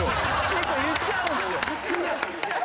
結構言っちゃうんすよ。